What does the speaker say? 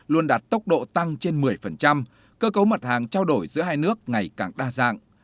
luôn đạt tốc độ tăng trên một mươi cơ cấu mật hàng trao đổi giữa hai nước ngày càng đa dạng